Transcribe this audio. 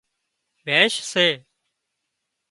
ڀيينش سي